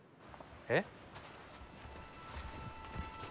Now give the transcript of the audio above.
えっ？